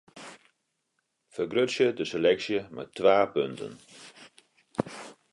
Fergrutsje de seleksje mei twa punten.